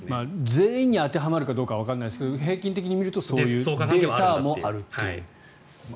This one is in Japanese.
全員に当てはまるかどうかはわからないですけど平均的に見るとそういうデータもあると。